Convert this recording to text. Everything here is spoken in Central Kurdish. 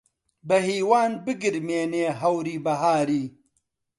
بەهیوان بگرمێنێ هەوری بەهاری